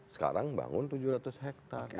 sekarang bangun tujuh ratus hektare